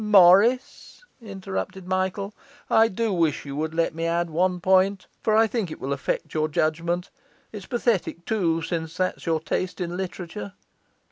'Morris,' interrupted Michael, 'I do wish you would let me add one point, for I think it will affect your judgement. It's pathetic too since that's your taste in literature.